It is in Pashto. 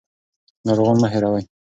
ناروغان مه هېروئ.